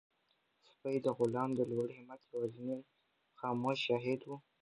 سپی د غلام د لوړ همت یوازینی خاموش شاهد و.